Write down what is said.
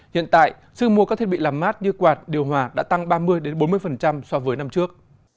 hiện tại sức mua các thiết bị làm mát như quạt điều hòa đã tăng ba mươi bốn mươi so với năm trước